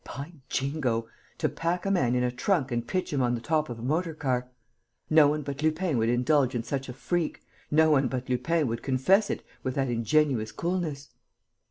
By Jingo! To pack a man in a trunk and pitch him on the top of a motor car!... No one but Lupin would indulge in such a freak, no one but Lupin would confess it with that ingenuous coolness!